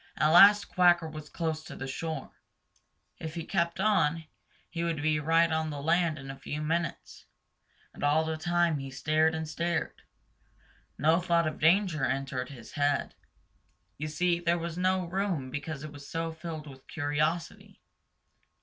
At last Quacker was close to the shore. If he kept on, he would be right on the land in a few minutes. And all the time he stared and stared. No thought of danger entered his head. You see, there was no room because it was so filled with curiosity.